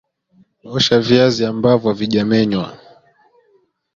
Osha viazi ambavyo havijamenywa